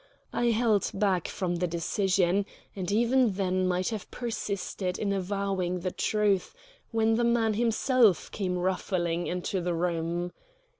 I held back from the decision, and even then might have persisted in avowing the truth, when the man himself came ruffling into the room.